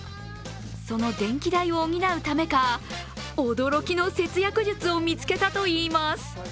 その電気代を補うためか、驚きの節約術を見つけたといいます。